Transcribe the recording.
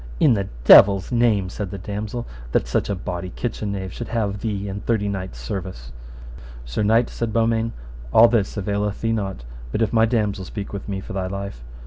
In the devil's name, said the damosel, that such a bawdy kitchen knave should have thee and thirty knights' service. Sir knight, said Beaumains, all this availeth thee not, but if my damosel speak with me for thy life.